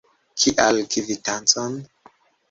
Kial kvitancon?